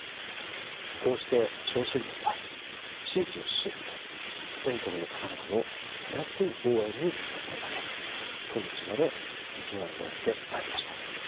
こうして銚子電鉄は地域の支援と全国の方々の手厚い応援に支えられ今日まで生き長らえてまいりました。